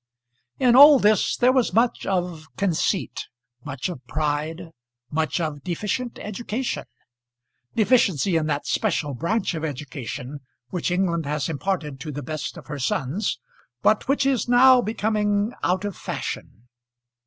In all this there was much of conceit, much of pride, much of deficient education, deficiency in that special branch of education which England has imparted to the best of her sons, but which is now becoming out of fashion.